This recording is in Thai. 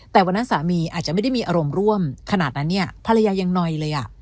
แต่วันนั้นสามีอาจจะไม่ได้มีอารมณ์ร่วมขนาดนั้นเนี่ยภรรยายังหน่อยเลยอ่ะ